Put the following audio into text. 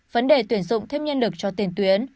vấn đề tuyển dụng thêm nhân lực cho tiền tuyến